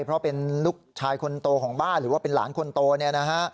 เพราะเป็นลูกชายคนโตของบ้านหรือว่าเป็นหลานคนโตเนี่ยนะฮะ